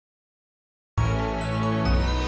mendingin sekarang kita duduk dulu ya